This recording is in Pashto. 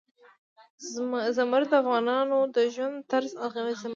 زمرد د افغانانو د ژوند طرز اغېزمنوي.